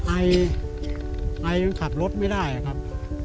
ไอไอยังขับรถไม่ได้ครับ